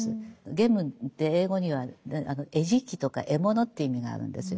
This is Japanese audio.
ゲームって英語には餌食とか獲物って意味があるんですよ。